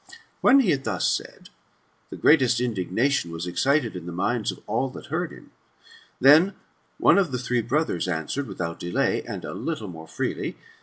When he had thus said, the greatest indignation was excited in the minds of all that heard him. Then one of the three brothers answered, without delay, and a little more freely.